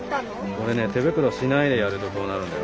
これね手袋しないでやるとこうなるんだよ。